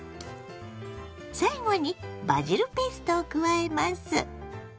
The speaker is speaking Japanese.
最後にバジルペーストを加えます。